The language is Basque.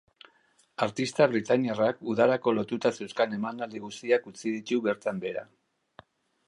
Artista britainiarrak udarako lotuta zeuzkan emanaldi guztiak utzi ditu bertan behera.